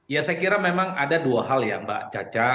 ya saya kira memang ada dua hal ya mbak caca